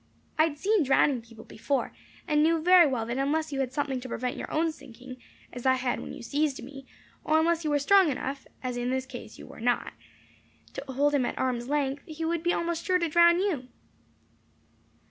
I had seen drowning people before, and knew very well that unless you had something to prevent your own sinking, as I had when you seized me, or unless you were strong enough (as in this case you were not) to hold him at arm's length, he would be almost sure to drown you."